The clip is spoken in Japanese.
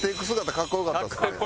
かっこよかったですね。